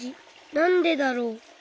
なんでだろう。